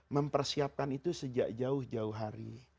mempersiapkan itu sejak jauh jauh hari